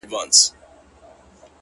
د گناهونو شاهدي به یې ویښتان ورکوي ـ